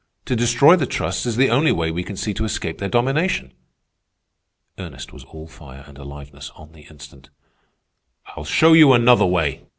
"To destroy the trusts is the only way we can see to escape their domination." Ernest was all fire and aliveness on the instant. "I'll show you another way!"